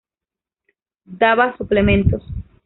Daba suplementos.